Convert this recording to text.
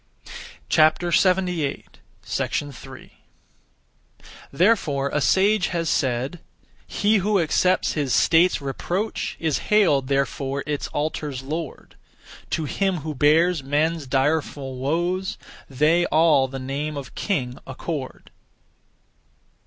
3. Therefore a sage has said, 'He who accepts his state's reproach, Is hailed therefore its altars' lord; To him who bears men's direful woes They all the name of King accord.'